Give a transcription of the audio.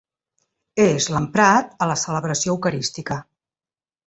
És l'emprat a la celebració eucarística.